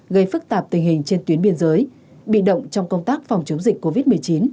gây phức tạp tình hình trên tuyến biên giới bị động trong công tác phòng chống dịch covid một mươi chín